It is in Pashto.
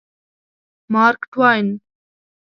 مارک ټواین